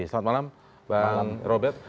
selamat malam bang robert